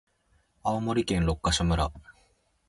青森県六ヶ所村